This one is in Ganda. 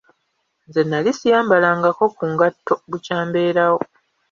Nze nali siyambalangako ku ngatto bukya mbeerawo.